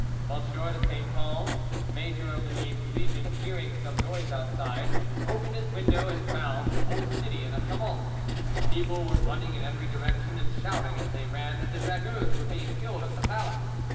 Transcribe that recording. M de Saint Pons, major of the Nimes legion, hearing some noise outside, opened his window, and found the whole city in a tumult: people were running in every direction, and shouting as they ran that the dragoons were being killed at the palace.